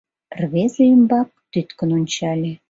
Рвезе ӱмбак тӱткын ончале.